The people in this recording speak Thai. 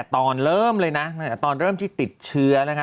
ตอนเริ่มที่ติดเชื้อ